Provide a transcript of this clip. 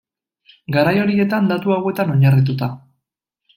Garai horietan, datu hauetan oinarrituta.